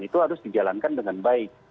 itu harus dijalankan dengan baik